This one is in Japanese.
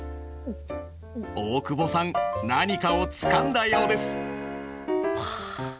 大久保さん何かをつかんだようです。